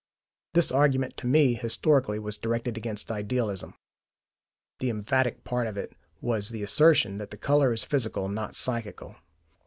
This argument, to me historically, was directed against idealism: the emphatic part of it was the assertion that the colour is physical, not psychical.